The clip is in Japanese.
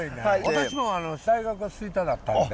私も大学は吹田だったんで。